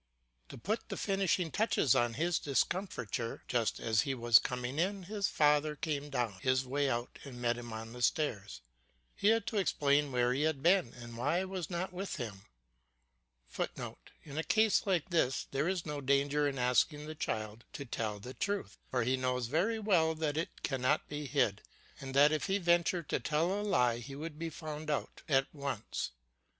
To put the finishing touch to his discomfiture, just as he was coming in his father came down on his way out and met him on the stairs. He had to explain where he had been, and why I was not with him. [Footnote: In a case like this there is no danger in asking a child to tell the truth, for he knows very well that it cannot be hid, and that if he ventured to tell a lie he would be found out at once.